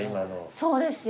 そうですよ。